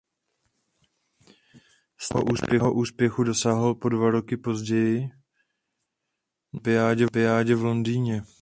Stejného úspěchu dosáhl po dva roky později na olympiádě v Londýně.